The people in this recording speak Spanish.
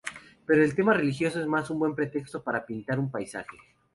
Pero el tema religioso es más bien un pretexto para pintar un paisaje.